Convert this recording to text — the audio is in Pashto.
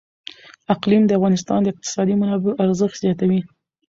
اقلیم د افغانستان د اقتصادي منابعو ارزښت زیاتوي.